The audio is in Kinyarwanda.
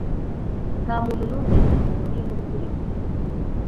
nta muntu n'umwe; ntaho mpuriye no guturika.